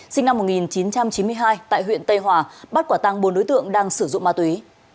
sinh năm một nghìn chín trăm chín mươi hai tại huyện tây hòa bắt quả tăng bốn đối tượng đang sử dụng ma túy